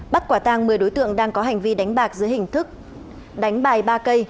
bắt quả tang một mươi đối tượng đang có hành vi đánh bạc dưới hình thức đánh bài ba k